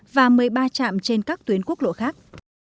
và một mươi ba trạm trên các tuyến quốc lộ khác